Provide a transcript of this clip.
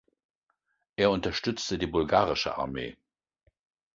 Er unterstützte die bulgarische Armee.